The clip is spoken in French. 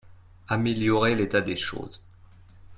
Améliorer l'état des choses.